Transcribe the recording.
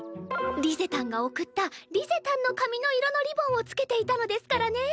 リゼたんが贈ったリゼたんの髪の色のリボンを付けていたのですからね。